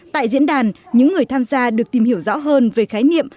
tại diễn đàn những người tham gia được tìm hiểu rõ hơn về khái niệm